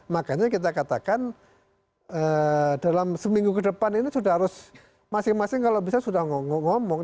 makanya kita katakan dalam seminggu ke depan ini sudah harus masing masing kalau bisa sudah ngomong ngomong